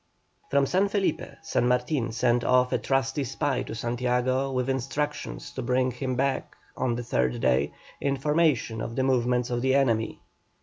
From San Felipe, San Martin sent off a trusty spy to Santiago with instructions to bring him back, on the third day, information of the movements of the enemy.